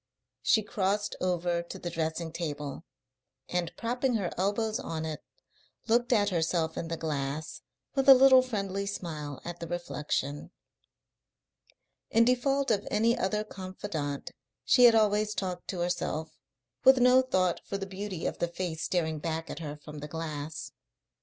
She crossed over to the dressing table, and, propping her elbows on it, looked at herself in the glass, with a little friendly smile at the reflection. In default of any other confidant she had always talked to herself, with no thought for the beauty of the face staring back at her from the glass.